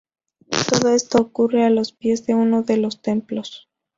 Todo esto ocurre a los pies de uno de los templos.